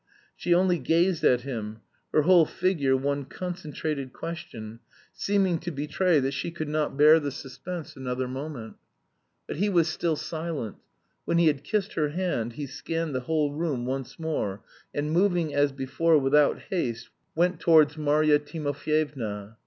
She only gazed at him, her whole figure one concentrated question, seeming to betray that she could not bear the suspense another moment. But he was still silent. When he had kissed her hand, he scanned the whole room once more, and moving, as before, without haste went towards Marya Timofyevna.